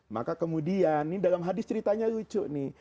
maka kemudian ini dalam hadis ceritanya lucu nih